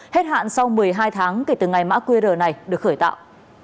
hết hạn sau một mươi hai tháng kể từ ngày mã qr này được khởi tạo